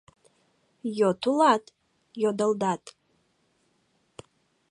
«Йот улат?» — йодылдат.